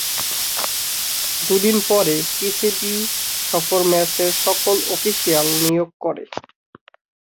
দুদিন পরে, পিসিবি সফর ম্যাচের সকল অফিসিয়াল নিয়োগ করে।